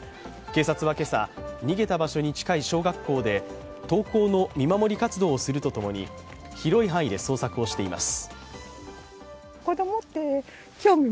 警察は今朝、逃げた場所に近い小学校で登校の見守り活動をするとともに広い範囲で捜索しています。